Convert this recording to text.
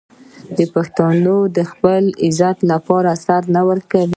آیا پښتون د خپل عزت لپاره سر نه ورکوي؟